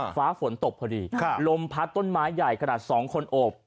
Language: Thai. ฟ้าฝนตกพอดีลมพัดต้นไม้ใหญ่ขนาด๒คนโอบ